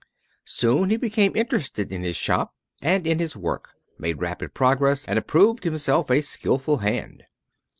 Soon he became interested in his shop and in his work, made rapid progress, and approved himself a skillful hand.